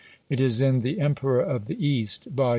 It is in "The Emperor of the East," vol.